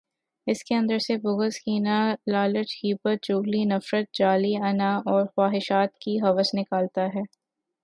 اس کے اندر سے بغض، کینہ، لالچ، غیبت، چغلی، نفرت، جعلی انااور خواہشات کی ہوس نکالتا ہے۔